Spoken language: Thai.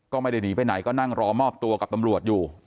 ก็ไม่ได้หนีไปไหนก็นั่งรอมอบตัวกับตำรวจอยู่